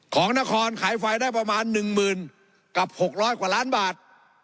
ของนครขายไฟได้ประมาณ๑๐๐๐กับ๖๐๐กว่าล้านบาท